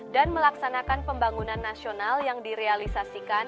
dan melaksanakan pembangunan nasional yang direalisasikan